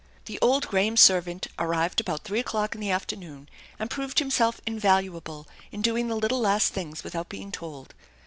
The old Graham servant arrived about three o'clock in the afternoon, and proved himself invaluable in doing the little last things without being told.